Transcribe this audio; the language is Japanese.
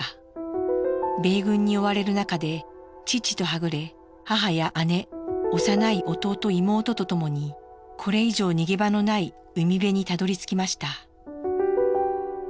米軍に追われる中で父とはぐれ母や姉幼い弟妹と共にこれ以上逃げ場のない海辺にたどりつきました。